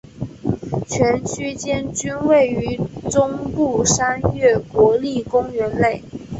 全区间均位于中部山岳国立公园内。